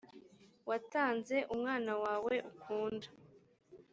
watanze umwana wawe ukunda